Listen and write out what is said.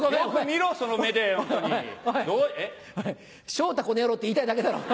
「昇太この野郎」って言いたいだけだろ。